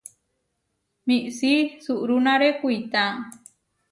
Miisí suʼrunáre kuitá.